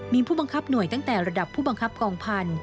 มีผู้บังคับหน่วยตั้งแต่ระดับผู้บังคับกองพันธุ